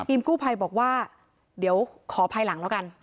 กู้ภัยบอกว่าเดี๋ยวขอภายหลังแล้วกัน